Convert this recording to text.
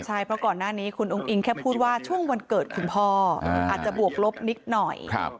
ใช่เพราะก่อนหน้านี้คุณอุ้งอิงแค่พูดว่าช่วงวันเกิดคุณพ่ออาจจะบวกลบนิดหน่อย